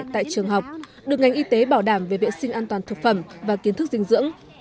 tại trường học được ngành y tế bảo đảm về vệ sinh an toàn thực phẩm và kiến thức dinh dưỡng